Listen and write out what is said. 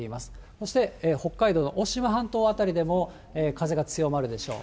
そして北海道のおしま半島辺りでも風が強まるでしょう。